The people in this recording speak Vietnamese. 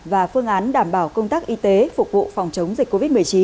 và phương án đảm bảo công tác y tế phục vụ phòng chống dịch covid một mươi chín